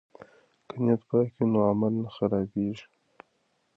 که نیت پاک وي نو عمل نه خرابیږي.